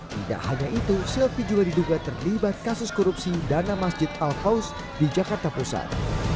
tidak hanya itu silvi juga diduga terlibat kasus korupsi dana masjid al faus di jakarta pusat